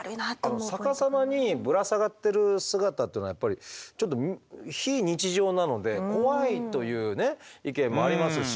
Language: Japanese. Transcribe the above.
逆さまにぶら下がってる姿っていうのはやっぱりちょっと非日常なので怖いというね意見もありますし。